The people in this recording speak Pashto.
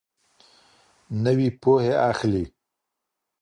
نوي پوهي اخلي